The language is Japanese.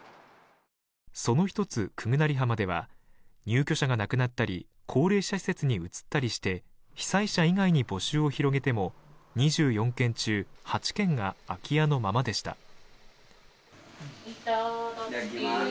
その１つ、十八成浜では入居者が亡くなったり高齢者施設に移ったりして被災者以外に募集を広げても２４軒中８軒が空き家のままでした。